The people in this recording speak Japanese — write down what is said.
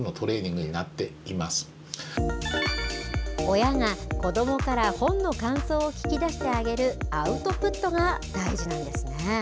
親が子どもから本の感想を聞き出してあげるアウトプットが大事なんですね。